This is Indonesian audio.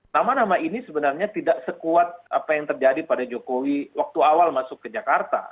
nama nama ini sebenarnya tidak sekuat apa yang terjadi pada jokowi waktu awal masuk ke jakarta